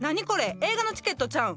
映画のチケットちゃうん？